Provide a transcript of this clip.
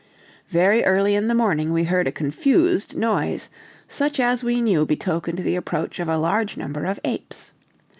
Very early in the morning we heard a confused noise, such as we knew betokened the approach of a large number of apes.